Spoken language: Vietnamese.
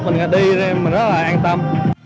mình đi nên rất là an tâm